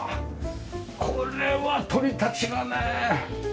これは鳥たちがね！